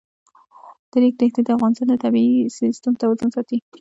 د ریګ دښتې د افغانستان د طبعي سیسټم توازن ساتي.